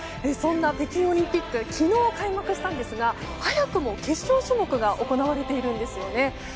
そんな北京オリンピック昨日、開幕したんですが早くも決勝種目が行われているんですよね。